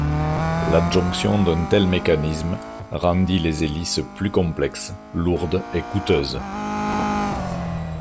L'adjonction d'un tel mécanisme rendit les hélices plus complexes, lourdes et coûteuses.